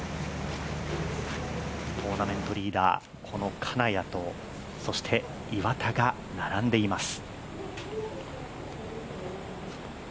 トーナメントリーダー、この金谷とそして岩田が並んでいます。